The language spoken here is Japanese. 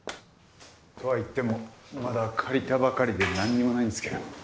とはいってもまだ借りたばかりでなんにもないんですけど。